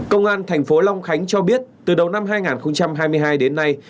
công an thành phố long khánh cho biết từ đầu năm hai nghìn hai mươi hai đến nay